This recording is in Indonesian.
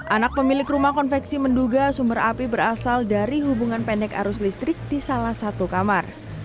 anak pemilik rumah konveksi menduga sumber api berasal dari hubungan pendek arus listrik di salah satu kamar